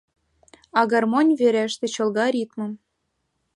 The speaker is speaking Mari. А гармонь вереште чолга ритмым.